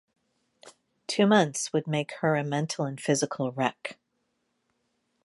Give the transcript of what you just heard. Two months would make her a mental and physical wreck.